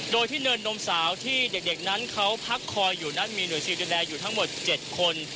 โดยที่เนินนมสาวที่เด็กนั้นเขาพักคอยอยู่นั้นมีหน่วยซิลดูแลอยู่ทั้งหมด๗คน